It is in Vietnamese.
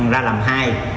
ra làm hai